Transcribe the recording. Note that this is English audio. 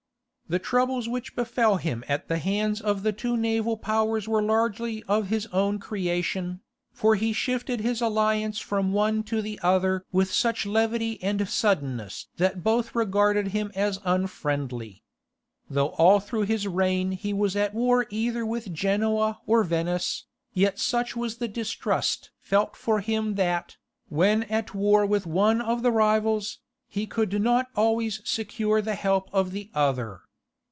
The troubles which befell him at the hands of the two naval powers were largely of his own creation, for he shifted his alliance from one to the other with such levity and suddenness that both regarded him as unfriendly. Though all through his reign he was at war either with Genoa or Venice, yet such was the distrust felt for him that, when at war with one of the rivals, he could not always secure the help of the other.